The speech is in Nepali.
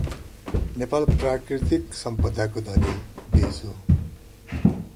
नेपाल प्राकृतिक सम्पदाको धनी देश हो।